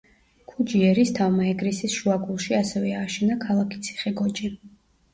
ქუჯი ერისთავმა ეგრისის შუაგულში ასევე ააშენა ქალაქი ციხე-გოჯი.